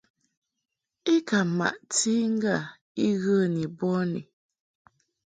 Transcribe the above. I ka maʼti i ŋgâ I ghə ni bɔni.